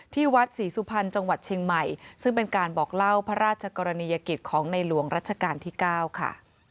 ที่วัดศรีสุพรรณจังหวัดเชียงใหม่ซึ่งเป็นการบอกเล่าพระราชกรณียกิจของในหลวงรัชกาลที่๙ค่ะ